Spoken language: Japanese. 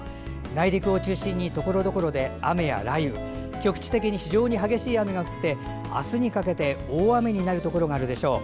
内陸を中心に雨や雷雨局地的に非常に激しい雨が降ってあすにかけて大雨になるところがあるでしょう。